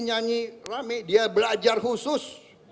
nyanyi rame dia belajar khusus